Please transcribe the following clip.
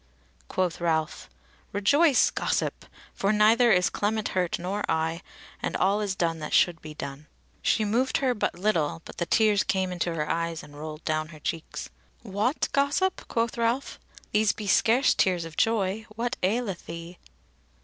Quoth Ralph: "Rejoice, gossip! for neither is Clement hurt, nor I, and all is done that should be done." She moved her but little, but the tears came into her eyes and rolled down her cheeks. "What, gossip?" quoth Ralph; "these be scarce tears of joy; what aileth thee?"